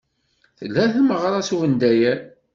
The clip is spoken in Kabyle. Telha tmeɣra s ubendayer.